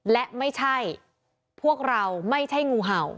และไม่ใช่พวกเราไม่ใช่งูเห่า